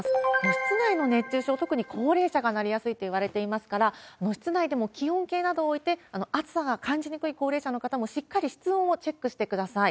室内の熱中症、特に高齢者がなりやすいといわれていますから、室内でも気温計などを置いて、暑さが感じにくい高齢者の方も、しっかり室温をチェックしてください。